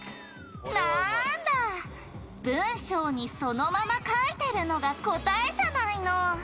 「文章にそのまま書いてるのが答えじゃないの！」